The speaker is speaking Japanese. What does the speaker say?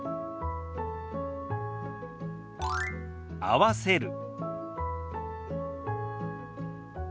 「合わせる」。